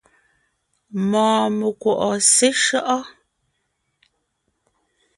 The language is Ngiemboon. Mɔɔn mekwɔ̀’ɔ seshÿɔ́’ɔ?